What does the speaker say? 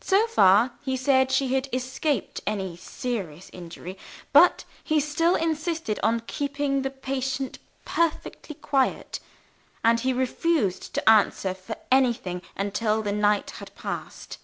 So far, he said, she had escaped any serious injury. But he still insisted on keeping his patient perfectly quiet, and he refused to answer for anything until the night had passed.